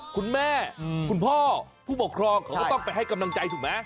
คุณพ่อผู้ปกครองเขาก็ต้องไปให้กำลังใจถูกไหม